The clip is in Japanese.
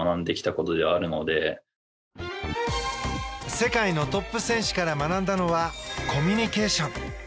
世界のトップ選手から学んだのはコミュニケーション。